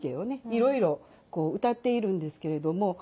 いろいろ歌っているんですけれども